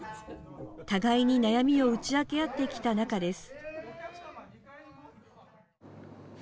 互いに悩みを打ち明け合ってきた仲です。